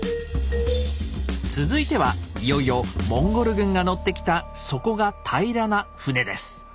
続いてはいよいよモンゴル軍が乗ってきた底が平らな船です。